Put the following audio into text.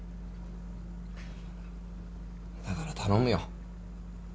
だから頼むよ。